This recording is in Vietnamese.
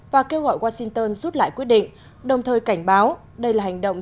và kêu gọi washington rút lại quyết định đồng thời cảnh báo đây là hành động